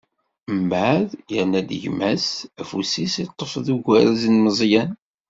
Mbeɛb, irna-d gma-s, afus-is iṭṭef deg ugerz n Meẓyan.